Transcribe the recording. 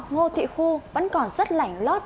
ngô thị khu vẫn còn rất lảnh lót